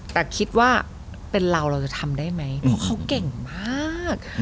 แต่คิดว่าเป็นเราเราจะทำได้ไหมเพราะเขาเก่งมาก